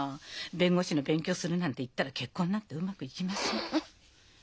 弁護士の勉強するなんて言ったら結婚なんてうまくいきません。